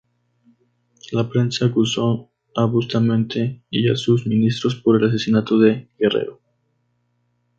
La prensa acusó a Bustamante y a sus ministros por el asesinato de Guerrero.